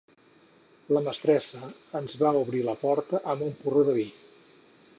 La mestressa ens va obrir la porta amb un porró de vi.